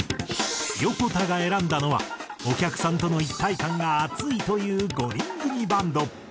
ヨコタが選んだのはお客さんとの一体感が熱いという５人組バンド。